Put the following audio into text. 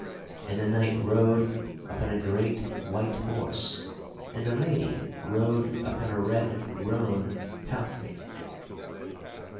And the knight rode upon a great white horse, and the lady rode upon a red roan palfrey.